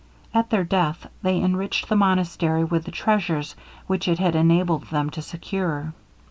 At their death they enriched the monastery with the treasures which it had enabled them to secure.